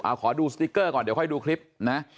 ขอดูสติ๊กเกอร์ก่อนเดี๋ยวค่อยดูคลิปนะ